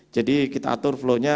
jadi kita atur flow nya